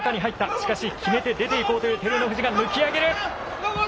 しかし、きめて出ていこうという照ノ富士が抜き上げる。